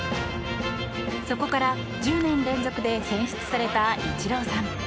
そこから１０年連続で選出されたイチローさん。